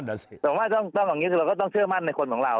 แต่ว่าต้องอย่างนี้คือเราก็ต้องเชื่อมั่นในคนของเรา